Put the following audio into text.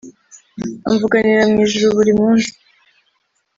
amvuganira mu ijuru buri munsi